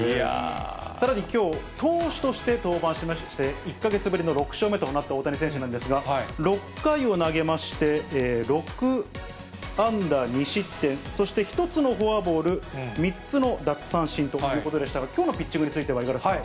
さらにきょう、投手として登板しまして、１か月ぶりの６勝目となった大谷選手なんですが、６回を投げまして、６安打２失点、そして１つのフォアボール、３つの奪三振ということでしたが、きょうのピッチングについては五十嵐さん。